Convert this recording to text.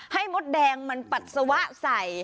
ให้มดแดงมันปัดสวะใส